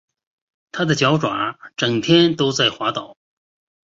他的脚爪整天都在滑倒